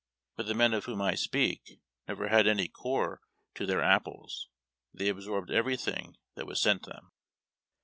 But the men of whom I speak never had any core to their apples; they absorbed everything that was sent them.